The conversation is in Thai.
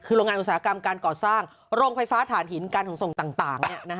คือโรงงานอุตสาหกรรมการก่อสร้างโรงไฟฟ้าฐานหินการขนส่งต่าง